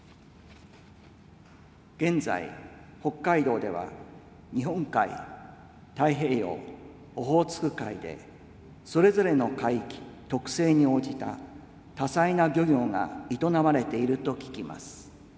現在、北海道では、日本海、太平洋、オホーツク海で、それぞれの海域特性に応じた多彩な漁業が営まれていると聞きます。